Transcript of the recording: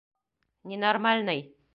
Ненормальный!